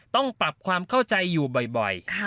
ต้องปรับความเข้าใจอยู่บ่อย